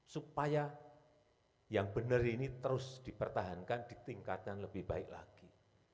supaya yang benar ini terus dipertahankan ditingkatkan lebih baik lagi